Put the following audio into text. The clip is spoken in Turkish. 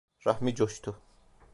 Rahmi coştu…